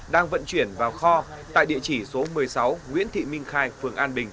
đang vận chuyển vào kho tại địa chỉ số một mươi sáu nguyễn thị minh khai phường an bình